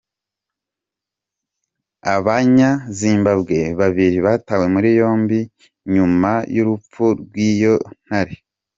Abanya-Zimbabwe babiri batawe muri yombi nyuma y’urupfu rw’iyo ntare.